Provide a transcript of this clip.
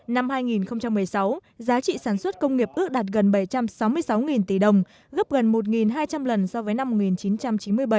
năm hai nghìn một mươi sáu giá trị sản xuất công nghiệp ước đạt gần bảy trăm sáu mươi sáu tỷ đồng gấp gần một hai trăm linh lần so với năm một nghìn chín trăm chín mươi bảy